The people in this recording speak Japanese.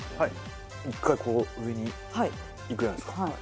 １回こう上にいくじゃないですか。